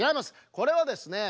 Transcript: これはですねえ